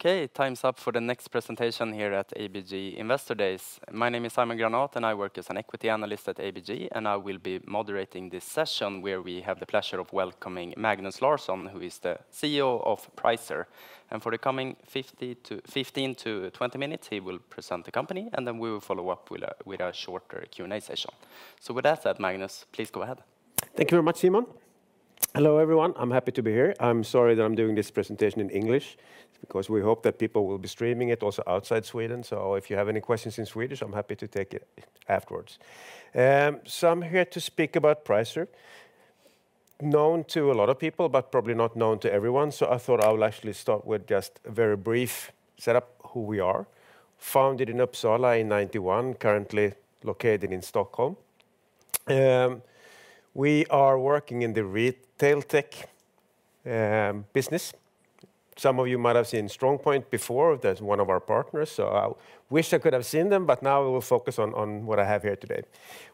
Okay, time's up for the next presentation here at ABG Investor Days. My name is Simon Granath, and I work as an equity analyst at ABG, and I will be moderating this session, where we have the pleasure of welcoming Magnus Larsson, who is the CEO of Pricer. For the coming 15-20 minutes, he will present the company, and then we will follow up with a shorter Q&A session. So with that said, Magnus, please go ahead. Thank you very much, Simon. Hello, everyone. I'm happy to be here. I'm sorry that I'm doing this presentation in English, because we hope that people will be streaming it also outside Sweden. So if you have any questions in Swedish, I'm happy to take it afterwards. So I'm here to speak about Pricer. Known to a lot of people, but probably not known to everyone, so I thought I would actually start with just a very brief setup, who we are. Founded in Uppsala in 1991, currently located in Stockholm. We are working in the retail tech business. Some of you might have seen StrongPoint before, that's one of our partners, so I wish I could have seen them, but now we will focus on what I have here today.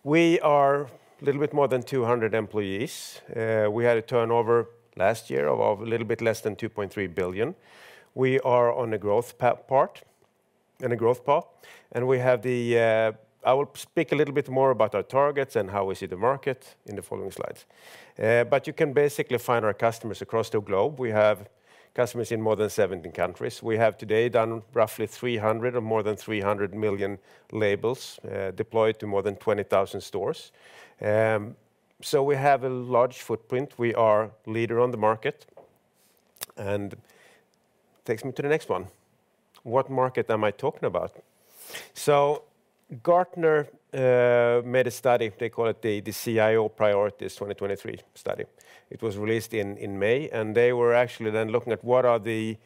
We are a little bit more than 200 employees. We had a turnover last year of a little bit less than 2.3 billion. We are on a growth path, in a growth path, and we have the... I will speak a little bit more about our targets and how we see the market in the following slides. But you can basically find our customers across the globe. We have customers in more than 17 countries. We have today done roughly 300 or more than 300 million labels, deployed to more than 20,000 stores. So we have a large footprint. We are leader on the market. And takes me to the next one. What market am I talking about? So Gartner made a study, they call it the CIO Priorities 2023 study. It was released in May, and they were actually then looking at what are the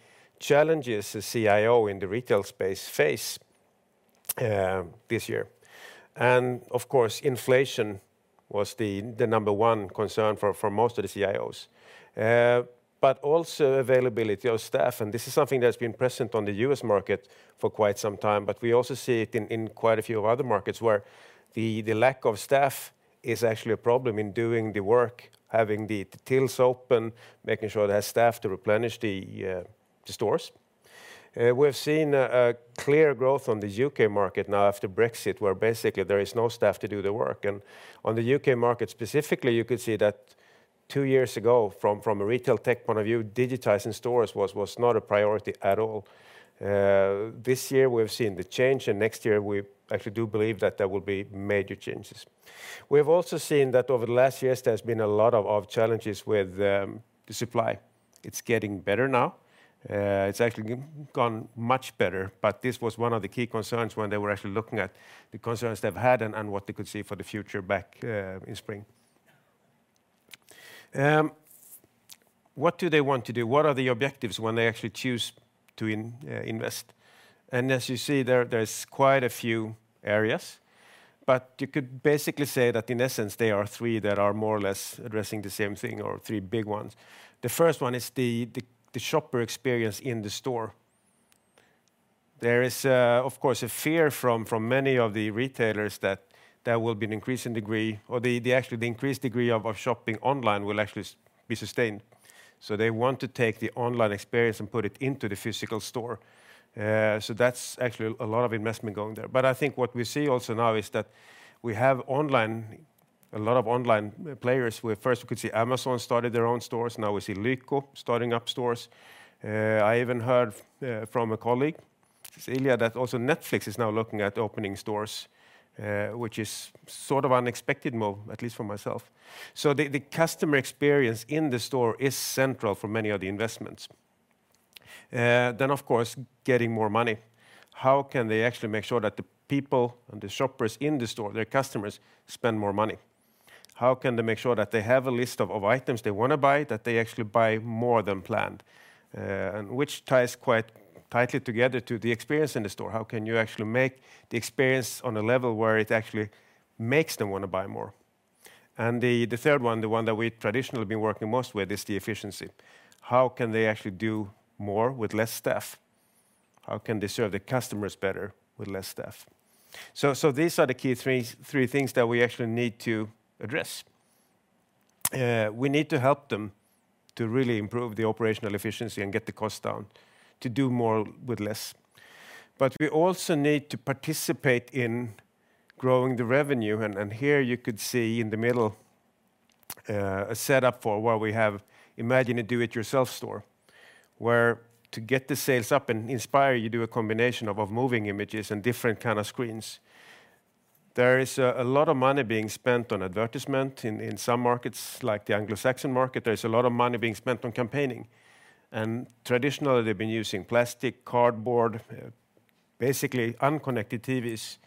challenges the CIO in the retail space face this year. And of course, inflation was the number one concern for most of the CIOs. But also availability of staff, and this is something that's been present on the U.S. market for quite some time, but we also see it in quite a few other markets, where the lack of staff is actually a problem in doing the work, having the tills open, making sure they have staff to replenish the stores. We've seen a clear growth on the U.K. market now after Brexit, where basically there is no staff to do the work. On the U.K. market specifically, you could see that two years ago, from a retail tech point of view, digitizing stores was not a priority at all. This year we've seen the change, and next year we actually do believe that there will be major changes. We have also seen that over the last years, there's been a lot of challenges with the supply. It's getting better now. It's actually gone much better, but this was one of the key concerns when they were actually looking at the concerns they've had and what they could see for the future back in spring. What do they want to do? What are the objectives when they actually choose to invest? As you see, there's quite a few areas, but you could basically say that in essence, there are three that are more or less addressing the same thing, or three big ones. The first one is the shopper experience in the store. There is, of course, a fear from many of the retailers that there will be an increasing degree, or actually the increased degree of shopping online will actually be sustained. So they want to take the online experience and put it into the physical store. So that's actually a lot of investment going there. But I think what we see also now is that we have online, a lot of online players, where first we could see Amazon started their own stores, now we see Lyko starting up stores. I even heard from a colleague earlier that also Netflix is now looking at opening stores, which is sort of unexpected move, at least for myself. So the customer experience in the store is central for many of the investments. Then, of course, getting more money. How can they actually make sure that the people and the shoppers in the store, their customers, spend more money? How can they make sure that they have a list of items they want to buy, that they actually buy more than planned? And which ties quite tightly together to the experience in the store. How can you actually make the experience on a level where it actually makes them want to buy more? And the third one, the one that we've traditionally been working most with, is the efficiency. How can they actually do more with less staff? How can they serve the customers better with less staff? So, so these are the key three, three things that we actually need to address. We need to help them to really improve the operational efficiency and get the cost down, to do more with less. But we also need to participate in growing the revenue, and, and here you could see in the middle, a setup for where we have imagined a do-it-yourself store, where to get the sales up and inspire you, do a combination of, of moving images and different kind of screens. There is a, a lot of money being spent on advertisement in, in some markets, like the Anglo-Saxon market, there is a lot of money being spent on campaigning, and traditionally, they've been using plastic, cardboard, basically unconnected TVs.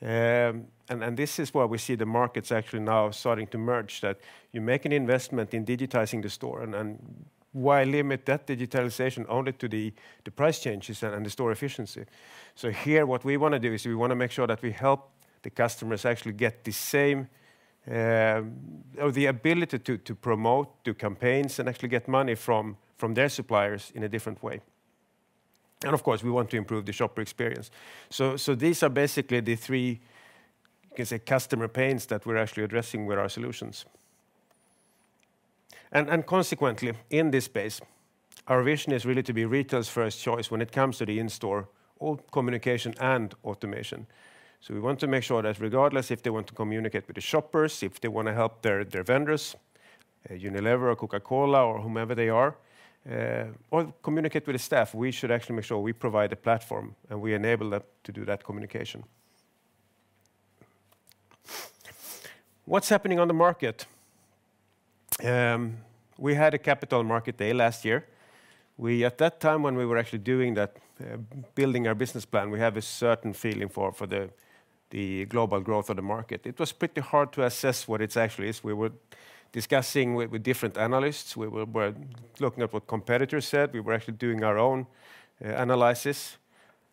And this is where we see the markets actually now starting to merge, that you make an investment in digitizing the store, and why limit that digitalization only to the price changes and the store efficiency? So here, what we want to do is we want to make sure that we help the customers actually get the same, or the ability to promote, do campaigns, and actually get money from their suppliers in a different way. And of course, we want to improve the shopper experience. So these are basically the three, you can say, customer pains that we're actually addressing with our solutions. And consequently, in this space, our vision is really to be retail's first choice when it comes to the in-store, all communication and automation. So we want to make sure that regardless if they want to communicate with the shoppers, if they wanna help their vendors, Unilever or Coca-Cola or whomever they are, or communicate with the staff, we should actually make sure we provide a platform, and we enable them to do that communication. What's happening on the market? We had a capital market day last year. At that time, when we were actually doing that, building our business plan, we have a certain feeling for the global growth of the market. It was pretty hard to assess what it actually is. We were discussing with different analysts. We were looking at what competitors said. We were actually doing our own analysis,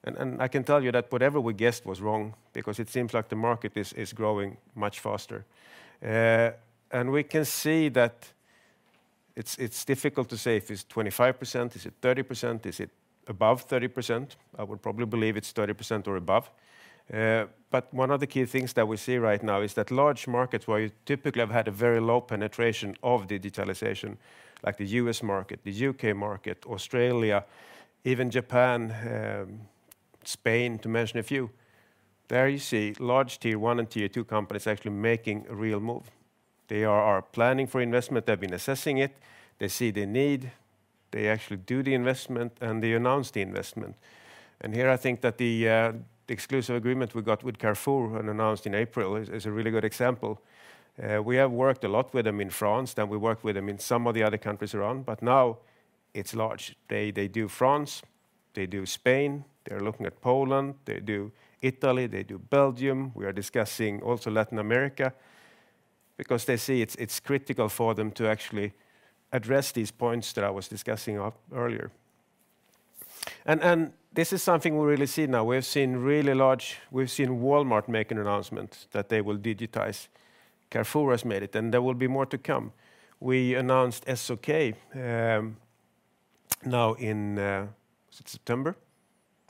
and I can tell you that whatever we guessed was wrong because it seems like the market is growing much faster. And we can see that it's difficult to say if it's 25%, is it 30%? Is it above 30%? I would probably believe it's 30% or above. But one of the key things that we see right now is that large markets where you typically have had a very low penetration of digitalization, like the U.S. market, the U.K. market, Australia, even Japan, Spain, to mention a few. There you see large Tier one and Tier two companies actually making a real move. They are planning for investment. They've been assessing it. They see the need, they actually do the investment, and they announce the investment. Here, I think that the exclusive agreement we got with Carrefour and announced in April is a really good example. We have worked a lot with them in France, then we worked with them in some of the other countries around, but now it's large. They do France, they do Spain, they're looking at Poland, they do Italy, they do Belgium. We are discussing also Latin America because they see it's critical for them to actually address these points that I was discussing earlier. And this is something we really see now. We've seen really large—we've seen Walmart make an announcement that they will digitize. Carrefour has made it, and there will be more to come. We announced SOK now in, was it September?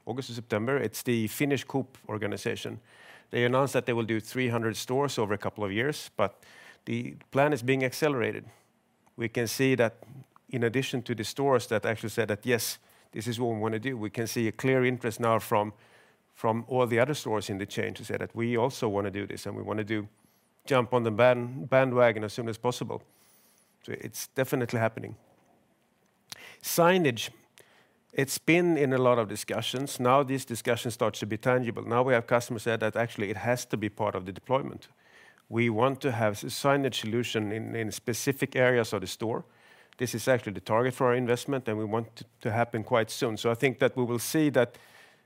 August or September. It's the Finnish coop organization. They announced that they will do 300 stores over a couple of years, but the plan is being accelerated. We can see that in addition to the stores that actually said that, "Yes, this is what we wanna do," we can see a clear interest now from all the other stores in the chain to say that, "We also wanna do this, and we wanna do—jump on the bandwagon as soon as possible." So it's definitely happening. Signage. It's been in a lot of discussions. Now, these discussions start to be tangible. Now, we have customers said that, "Actually, it has to be part of the deployment. We want to have a signage solution in specific areas of the store. This is actually the target for our investment, and we want it to happen quite soon." So I think that we will see that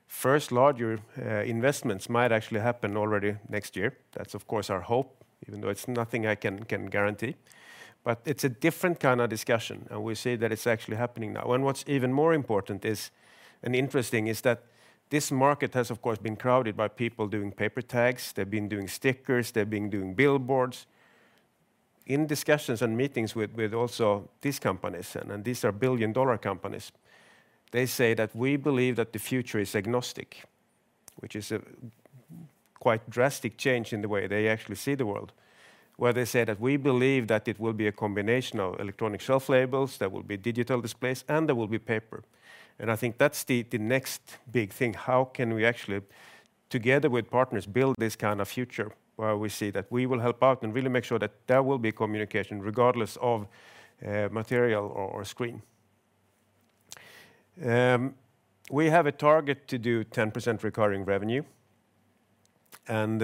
first larger investments might actually happen already next year. That's, of course, our hope, even though it's nothing I can guarantee. But it's a different kind of discussion, and we see that it's actually happening now. And what's even more important, and interesting, is that this market has, of course, been crowded by people doing paper tags, they've been doing stickers, they've been doing billboards. In discussions and meetings with also these companies, and these are billion-dollar companies, they say that we believe that the future is agnostic, which is a quite drastic change in the way they actually see the world. Where they say that, "We believe that it will be a combination of electronic shelf labels, there will be digital displays, and there will be paper." And I think that's the next big thing. How can we actually, together with partners, build this kind of future where we see that we will help out and really make sure that there will be communication regardless of material or screen? We have a target to do 10% recurring revenue, and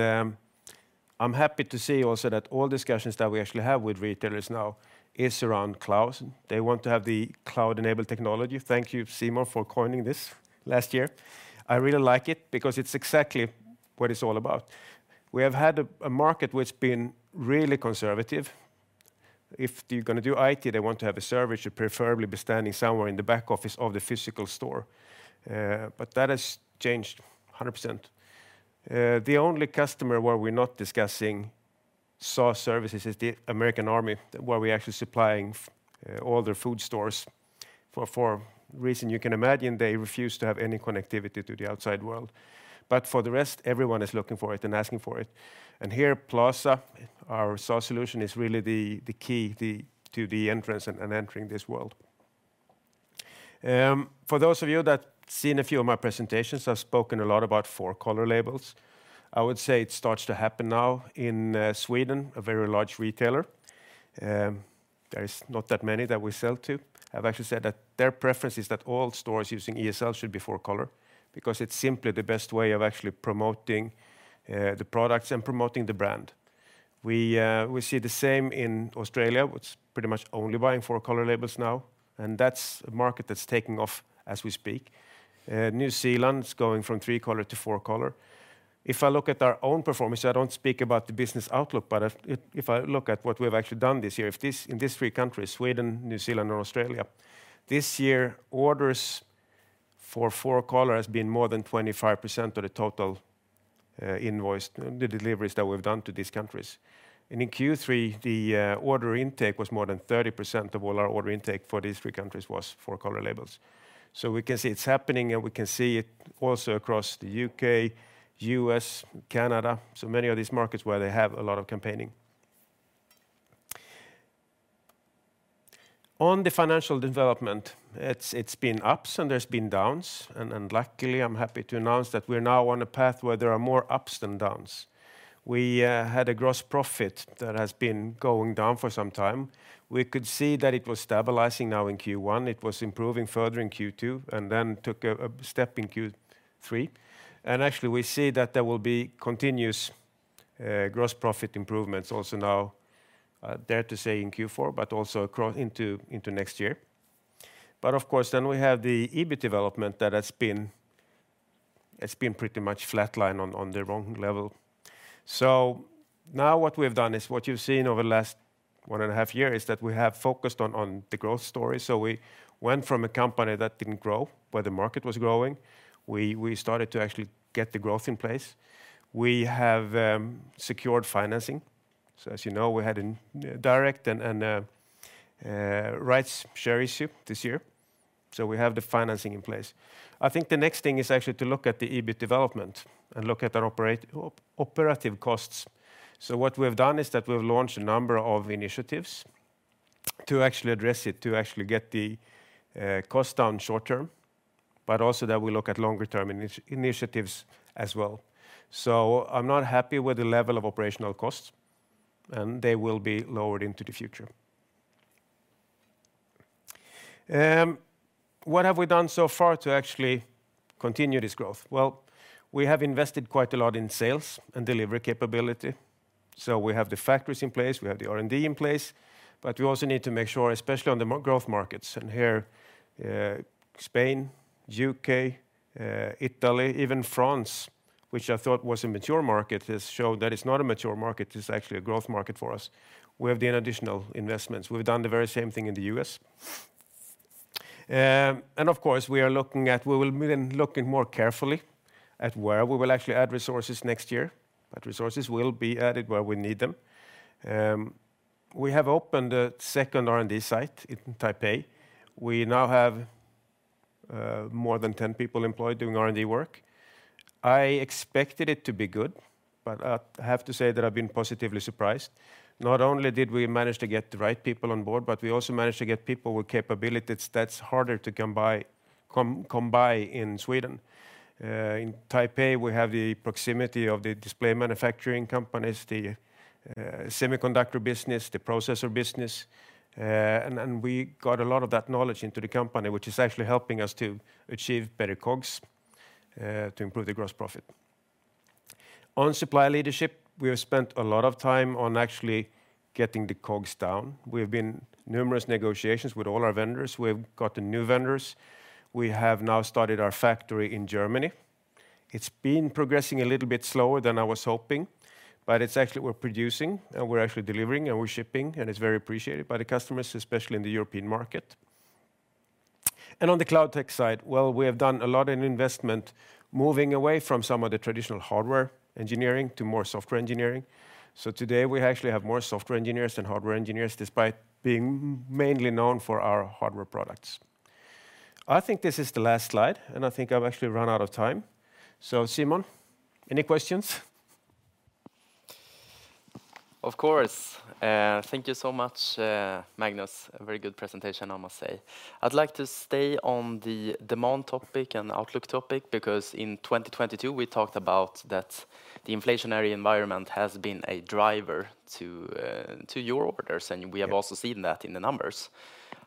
I'm happy to see also that all discussions that we actually have with retailers now is around clouds, and they want to have the cloud-enabled technology. Thank you, Simon, for coining this last year. I really like it because it's exactly what it's all about. We have had a market which been really conservative. If they're gonna do IT, they want to have a server, which should preferably be standing somewhere in the back office of the physical store. But that has changed 100%. The only customer where we're not discussing SaaS services is the American Army, where we're actually supplying all their food stores. For reasons you can imagine, they refuse to have any connectivity to the outside world. But for the rest, everyone is looking for it and asking for it. And here, Plaza, our SaaS solution, is really the key to the entrance and entering this world. For those of you that seen a few of my presentations, I've spoken a lot about four-color labels. I would say it starts to happen now in Sweden, a very large retailer. There is not that many that we sell to have actually said that their preference is that all stores using ESL should be four-color because it's simply the best way of actually promoting the products and promoting the brand. We see the same in Australia, which pretty much only buying four-color labels now, and that's a market that's taking off as we speak. New Zealand is going from three-color to four-color. If I look at our own performance, I don't speak about the business outlook, but if I look at what we've actually done this year, in these three countries, Sweden, New Zealand, and Australia, this year, orders for four-color has been more than 25% of the total invoice the deliveries that we've done to these countries. In Q3, the order intake was more than 30% of all our order intake for these three countries was four-color labels. So we can see it's happening, and we can see it also across the U.K., U.S., Canada, so many of these markets where they have a lot of campaigning. On the financial development, it's been ups, and there's been downs, and luckily, I'm happy to announce that we're now on a path where there are more ups than downs. We had a gross profit that has been going down for some time. We could see that it was stabilizing now in Q1. It was improving further in Q2, and then took a step in Q3. And actually, we see that there will be continuous gross profit improvements also now dare to say in Q4, but also across into next year. Of course, then we have the EBIT development that has been. It's been pretty much flatline on the wrong level. So now what we've done is what you've seen over the last one and half years, is that we have focused on the growth story. So we went from a company that didn't grow, where the market was growing. We started to actually get the growth in place. We have secured financing. So as you know, we had a direct and rights share issue this year, so we have the financing in place. I think the next thing is actually to look at the EBIT development and look at our operative costs. So what we've done is that we've launched a number of initiatives to actually address it, to actually get the cost down short term, but also that we look at longer-term initiatives as well. So I'm not happy with the level of operational costs, and they will be lowered into the future. What have we done so far to actually continue this growth? Well, we have invested quite a lot in sales and delivery capability. So we have the factories in place, we have the R&D in place, but we also need to make sure, especially on the growth markets, and here, Spain, U.K., Italy, even France, which I thought was a mature market, has showed that it's not a mature market, it's actually a growth market for us. We have the additional investments. We've done the very same thing in the U.S. Of course, we are looking at—we will be looking more carefully at where we will actually add resources next year, but resources will be added where we need them. We have opened a second R&D site in Taipei. We now have more than 10 people employed doing R&D work. I expected it to be good, but I have to say that I've been positively surprised. Not only did we manage to get the right people on board, but we also managed to get people with capabilities that's harder to come by in Sweden. In Taipei, we have the proximity of the display manufacturing companies, the semiconductor business, the processor business, and we got a lot of that knowledge into the company, which is actually helping us to achieve better COGS, to improve the gross profit. On supply leadership, we have spent a lot of time on actually getting the COGS down. We've been numerous negotiations with all our vendors. We've got the new vendors. We have now started our factory in Germany. It's been progressing a little bit slower than I was hoping, but it's actually we're producing, and we're actually delivering, and we're shipping, and it's very appreciated by the customers, especially in the European market. On the cloud tech side, well, we have done a lot in investment, moving away from some of the traditional hardware engineering to more software engineering. So today, we actually have more software engineers than hardware engineers, despite being mainly known for our hardware products. I think this is the last slide, and I think I've actually run out of time. So, Simon, any questions? Of course. Thank you so much, Magnus. A very good presentation, I must say. I'd like to stay on the demand topic and outlook topic, because in 2022, we talked about that the inflationary environment has been a driver to your orders, and- Yeah. We have also seen that in the numbers.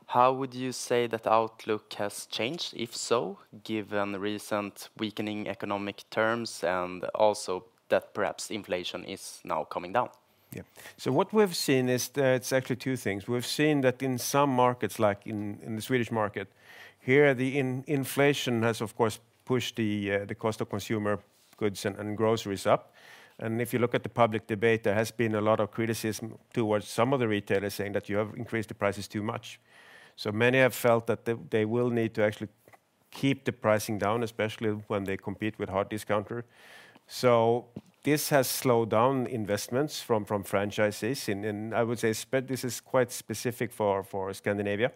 How would you say that outlook has changed, if so, given the recent weakening economic terms and also that perhaps inflation is now coming down? Yeah. So what we've seen is that it's actually two things. We've seen that in some markets, like in the Swedish market, here, the inflation has, of course, pushed the cost of consumer goods and groceries up. And if you look at the public debate, there has been a lot of criticism towards some of the retailers saying that you have increased the prices too much. So many have felt that they will need to actually keep the pricing down, especially when they compete with hard discounter. So this has slowed down investments from franchises, and I would say, but this is quite specific for Scandinavia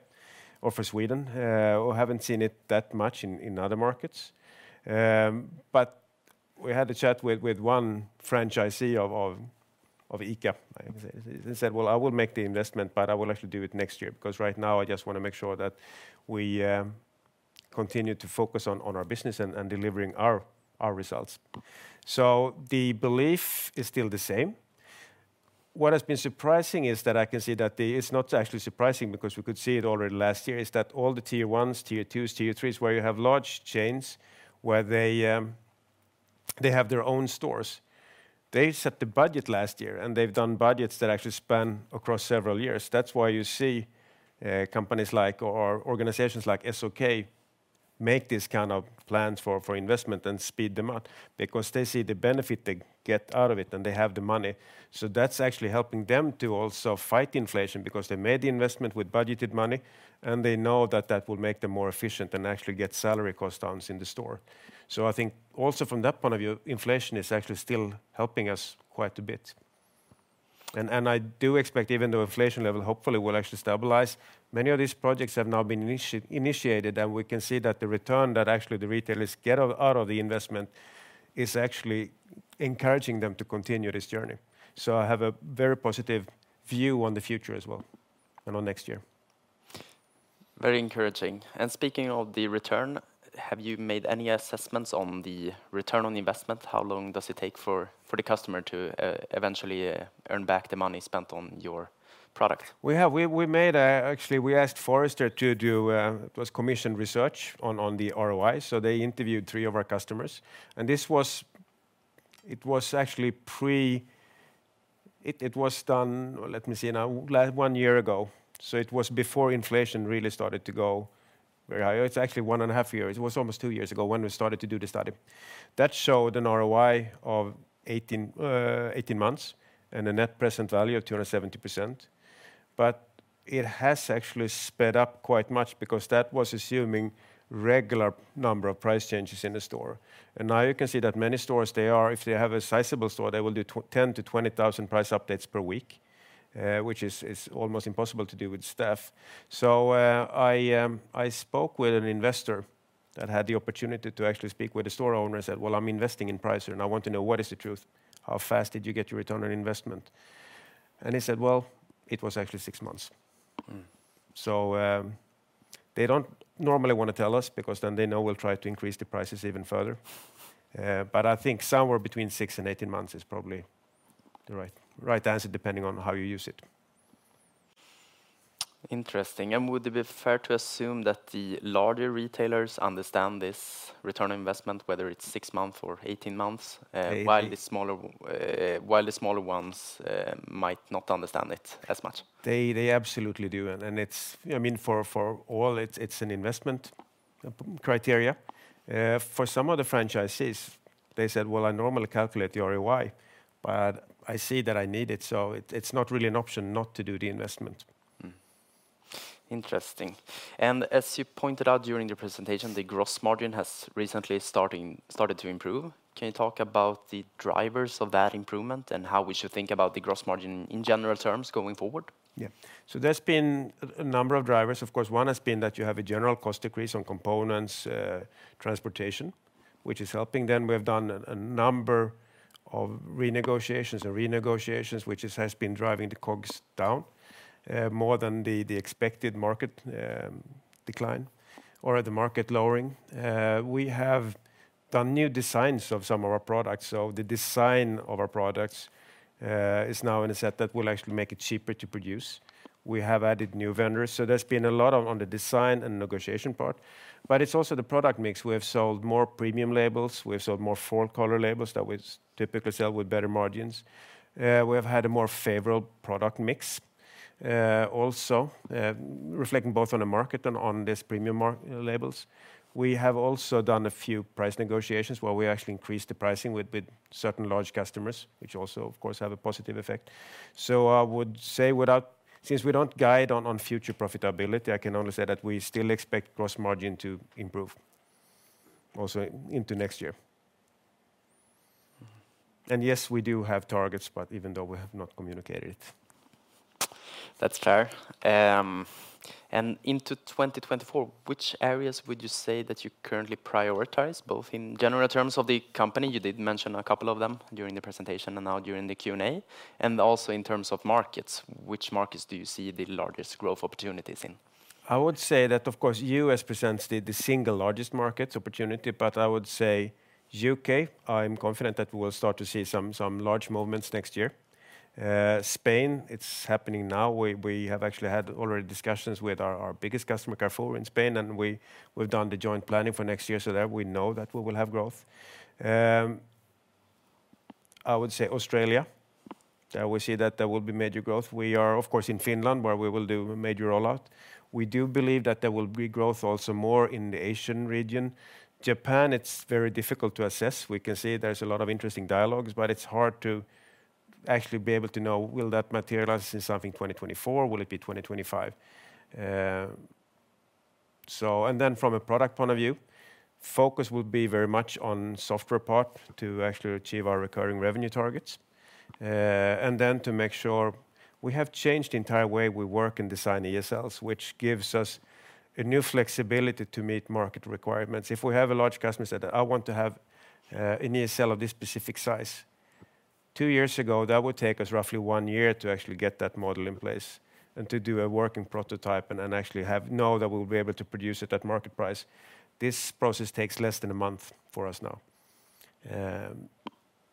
or for Sweden, we haven't seen it that much in other markets. But we had a chat with one franchisee of ICA. He said, "Well, I will make the investment, but I will actually do it next year, because right now, I just want to make sure that we continue to focus on our business and delivering our results." So the belief is still the same. What has been surprising is that I can see that the... It's not actually surprising because we could see it already last year, is that all the Tier ones, Tier twos, Tier threes, where you have large chains, where they have their own stores. They set the budget last year, and they've done budgets that actually span across several years. That's why you see companies like, or organizations like SOK, make these kind of plans for investment and speed them up because they see the benefit they get out of it, and they have the money. So that's actually helping them to also fight inflation because they made the investment with budgeted money, and they know that that will make them more efficient and actually get salary cost downs in the store. So I think also from that point of view, inflation is actually still helping us quite a bit. And I do expect, even though inflation level hopefully will actually stabilize, many of these projects have now been initiated, and we can see that the return that actually the retailers get out of the investment is actually encouraging them to continue this journey. So I have a very positive view on the future as well, and on next year. Very encouraging. And speaking of the return, have you made any assessments on the return on investment? How long does it take for the customer to eventually earn back the money spent on your product? Actually, we asked Forrester to do commissioned research on the ROI, so they interviewed three of our customers. And this was actually done one year ago, so it was before inflation really started to go very high. It's actually one and a half years. It was almost two years ago when we started to do the study. That showed an ROI of 18 months and a net present value of 270%. But it has actually sped up quite much because that was assuming regular number of price changes in the store. Now you can see that many stores, they are, if they have a sizable store, they will do 10,000-20,000 price updates per week, which is almost impossible to do with staff. I spoke with an investor that had the opportunity to actually speak with the store owner, and said: "Well, I'm investing in Pricer, and I want to know what is the truth. How fast did you get your return on investment?" He said: "Well, it was actually six months. Mm. So, they don't normally want to tell us because then they know we'll try to increase the prices even further. But I think somewhere between 6 and 18 months is probably the right, right answer, depending on how you use it. Interesting. Would it be fair to assume that the larger retailers understand this return on investment, whether it's six months or 18 months? Eight-... while the smaller ones might not understand it as much? They absolutely do. And it's, I mean, for all, it's an investment criteria. For some of the franchisees, they said: "Well, I normally calculate the ROI, but I see that I need it, so it's not really an option not to do the investment. Interesting. As you pointed out during the presentation, the gross margin has recently started to improve. Can you talk about the drivers of that improvement and how we should think about the gross margin in general terms going forward? Yeah. So there's been a number of drivers. Of course, one has been that you have a general cost decrease on components, transportation, which is helping. Then we have done a number of renegotiations, which has been driving the costs down more than the expected market decline or the market lowering. We have done new designs of some of our products. So the design of our products is now in a set that will actually make it cheaper to produce. We have added new vendors, so there's been a lot on the design and negotiation part, but it's also the product mix. We have sold more premium labels, we have sold more full-color labels that we typically sell with better margins. We have had a more favorable product mix, also, reflecting both on the market and on this premium labels. We have also done a few price negotiations where we actually increased the pricing with certain large customers, which also, of course, have a positive effect. So I would say... Since we don't guide on future profitability, I can only say that we still expect gross margin to improve also into next year. Mm-hmm. Yes, we do have targets, but even though we have not communicated it. That's fair. And into 2024, which areas would you say that you currently prioritize, both in general terms of the company? You did mention a couple of them during the presentation and now during the Q&A. And also in terms of markets, which markets do you see the largest growth opportunities in? I would say that, of course, the U.S. presents the single largest market opportunity, but I would say the U.K., I'm confident that we will start to see some large movements next year. Spain, it's happening now. We have actually had already discussions with our biggest customer, Carrefour, in Spain, and we've done the joint planning for next year so that we know that we will have growth. I would say Australia, we see that there will be major growth. We are, of course, in Finland, where we will do a major rollout. We do believe that there will be growth also more in the Asian region. Japan, it's very difficult to assess. We can see there's a lot of interesting dialogues, but it's hard to actually be able to know, will that materialize in something in 2024? Will it be 2025? So and then from a product point of view, focus will be very much on software part to actually achieve our recurring revenue targets, and then to make sure we have changed the entire way we work and design ESL, which gives us a new flexibility to meet market requirements. If we have a large customer said, "I want to have an ESL of this specific size," two years ago, that would take us roughly one year to actually get that model in place and to do a working prototype and then actually have known that we'll be able to produce it at market price. This process takes less than a month for us now.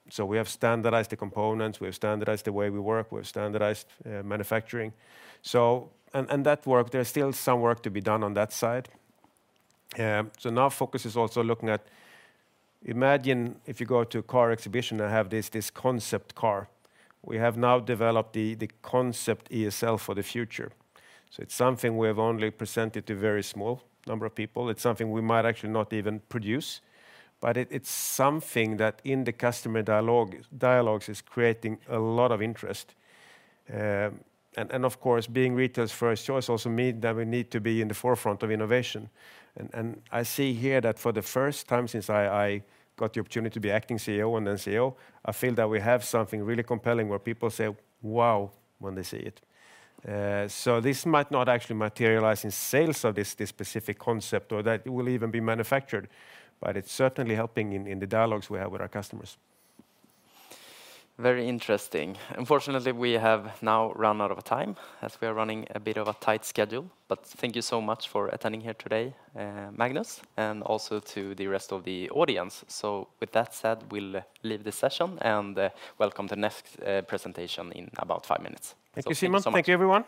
So we have standardized the components, we have standardized the way we work, we have standardized manufacturing. So, there's still some work to be done on that side. So now focus is also looking at... Imagine if you go to a car exhibition and have this concept car. We have now developed the concept ESL for the future. So it's something we have only presented to a very small number of people. It's something we might actually not even produce, but it's something that in the customer dialogues is creating a lot of interest. And of course, being retailers' first choice also mean that we need to be in the forefront of innovation. And I see here that for the first time since I got the opportunity to be acting CEO and then CEO, I feel that we have something really compelling where people say, "Wow!" when they see it. This might not actually materialize in sales of this specific concept or that it will even be manufactured, but it's certainly helping in the dialogues we have with our customers. Very interesting. Unfortunately, we have now run out of time, as we are running a bit of a tight schedule. But thank you so much for attending here today, Magnus, and also to the rest of the audience. So with that said, we'll leave this session, and welcome to the next presentation in about five minutes. Thank you, Simon. Thank you so much. Thank you, everyone.